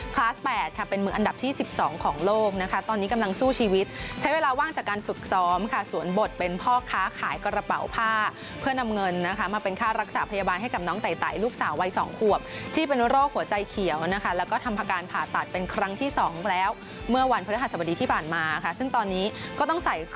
๘ค่ะเป็นมืออันดับที่๑๒ของโลกนะคะตอนนี้กำลังสู้ชีวิตใช้เวลาว่างจากการฝึกซ้อมค่ะสวนบทเป็นพ่อค้าขายกระเป๋าผ้าเพื่อนำเงินนะคะมาเป็นค่ารักษาพยาบาลให้กับน้องไตลูกสาววัย๒ขวบที่เป็นโรคหัวใจเขียวนะคะแล้วก็ทำการผ่าตัดเป็นครั้งที่สองแล้วเมื่อวันพฤหัสบดีที่ผ่านมาค่ะซึ่งตอนนี้ก็ต้องใส่